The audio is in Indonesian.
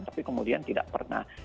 tapi kemudian tidak pernah